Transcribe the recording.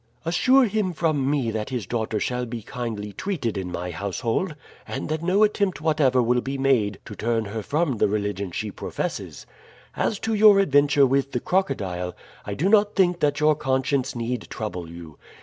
"Assure him from me that his daughter shall be kindly treated in my household, and that no attempt whatever will be made to turn her from the religion she professes. As to your adventure with the crocodile, I do not think that your conscience need trouble you.